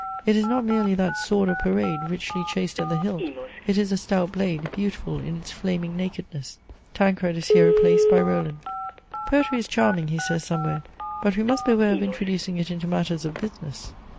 It is not merely that sword of parade, richly chased at the hilt ; it is a stout blade, beautiful in its flaming nakedness. Tancred is here replaced by Roland. " Poetry is charming," he says somewhere, " but we must beware of introducing it into matters of business."